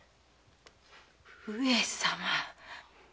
上様。